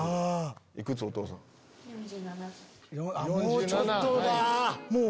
もうちょっとだ。